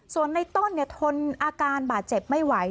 ส่วนในต้นทนอาการบาดเจ็บไม่ไหว